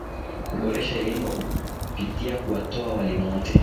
kuboresha elimu kwa kupitia kuwatoa walimu wote